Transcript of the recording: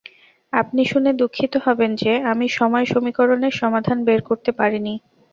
আপনি শুনে দুঃখিত হবেন যে আমি সময় সমীকরণের সমাধান বের করতে পারি নি।